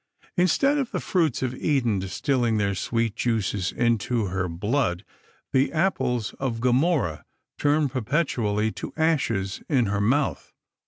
Instead of the fruits of Eden distilling their sweet juices into her blood, the apples of Gomorrah turn perpetually to ashes in her mouth.